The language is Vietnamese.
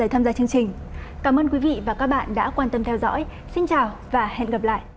lời tham gia chương trình cảm ơn quý vị và các bạn đã quan tâm theo dõi xin chào và hẹn gặp lại ừ ừ